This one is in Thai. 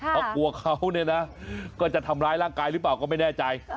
เพราะกลัวเขาเนี่ยนะก็จะทำร้ายร่างกายหรือเปล่าก็ไม่แน่ใจ